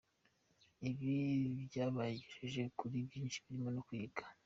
Ibi byabagejeje kuri byinshi birimo no kwiga.